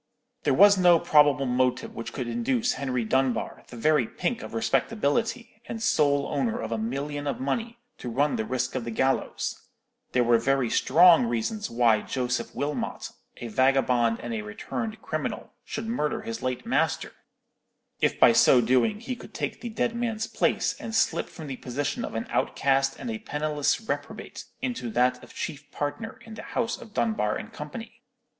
There was no probable motive which could induce Henry Dunbar, the very pink of respectability, and sole owner of a million of money, to run the risk of the gallows; there were very strong reasons why Joseph Wilmot, a vagabond and a returned criminal, should murder his late master, if by so doing he could take the dead man's place, and slip from the position of an outcast and a penniless reprobate into that of chief partner in the house of Dunbar and Company.